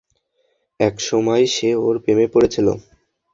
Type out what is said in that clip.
একসময় সে ওর প্রেমে পড়েছিল।